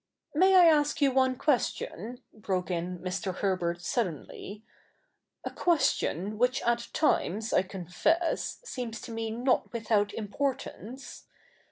' May I ask you one question,' broke in Mr. Herbert suddenly, ' a question which at times, I confess, seems to me not without importance